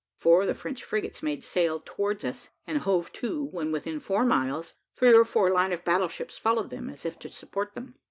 Four of the French frigates made sail towards us, and hove to, when within four miles, three or four line of battle ships followed them, as if to support them.